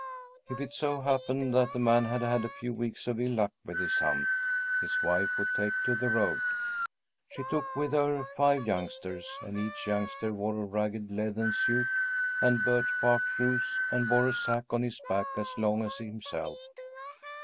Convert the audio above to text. If it so happened that the man had had a few weeks of ill luck with his hunt, his wife would take to the road. She took with her five youngsters, and each youngster wore a ragged leathern suit and birch bark shoes and bore a sack on his back as long as himself.